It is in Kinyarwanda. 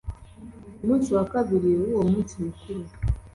Ku munsi wa kabiri w'uwo munsi mukuru